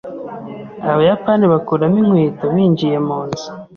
Abayapani bakuramo inkweto binjiye munzu.